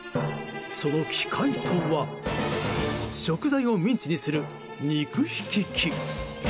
その機械とは食材をミンチにする肉ひき機。